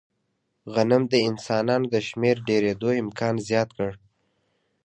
غنم د انسانانو د شمېر ډېرېدو امکان زیات کړ.